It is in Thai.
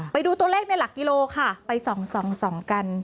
ไปดูตัวเลขในหลักกิโลค่ะไป๒๒กัน